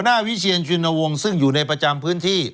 หัวหน้าวิเชียรจุลวงศ์ซึ่งอยู่ในประจำพื้นที่